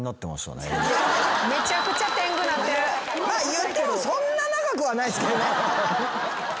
いってもそんな長くはないですけどね。